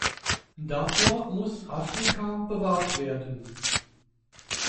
Davor muss Afrika bewahrt werden.